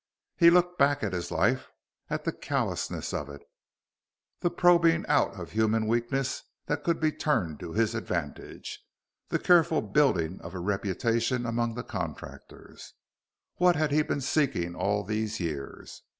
He looked back at his life, at the callousness of it, the probing out of human weakness that could be turned to his advantage, the careful building of a reputation among the contractors. What had he been seeking all these years?